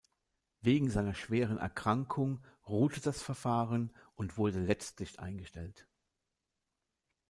Wegen seiner schweren Erkrankung ruhte das Verfahren und wurde letztlich eingestellt.